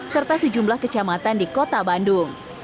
serta sejumlah kecamatan di kota bandung